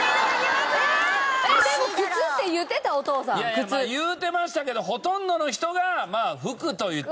まあ言うてましたけどほとんどの人がまあ服と言って。